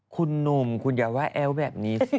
คุณหนุ่มคุณอย่าว่าแอ้วแบบนี้สิ